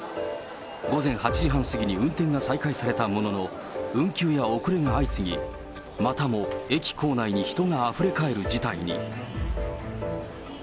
午前８時半過ぎに運転が再開されたものの、運休や遅れが相次ぎ、またも駅構内に人があふれかえる事態に。